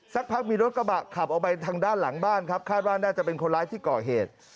สักพักมีรถกระบะขับออกไปทางด้านหลังบ้านครับคาดว่าน่าจะเป็นคนร้ายที่ก่อเหตุ